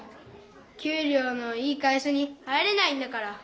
給りょうのいい会社に入れないんだから。